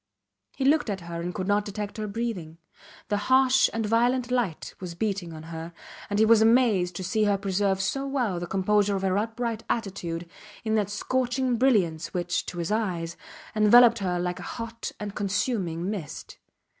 He looked at her and could not detect her breathing. The harsh and violent light was beating on her, and he was amazed to see her preserve so well the composure of her upright attitude in that scorching brilliance which, to his eyes, enveloped her like a hot and consuming mist.